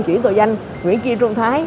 chuyển tội danh nguyễn kim trung thái